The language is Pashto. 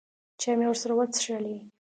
چای مې ورسره وڅښلې.